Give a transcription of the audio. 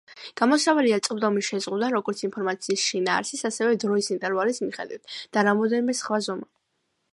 გამოსავალია წვდომის შეზღუდვა როგორც ინფორმაციის შინაარსის, ასევე დროის ინტერვალის მიხედვით და რამდენიმე სხვა ზომა.